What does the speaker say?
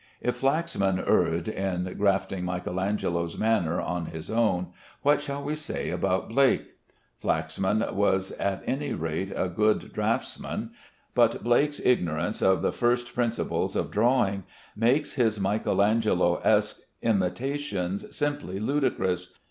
If Flaxman erred in grafting Michael Angelo's manner on his own, what shall we say about Blake? Flaxman was at any rate a good draughtsman, but Blake's ignorance of the first principles of drawing makes his Michael Angelesque imitations simply ludicrous.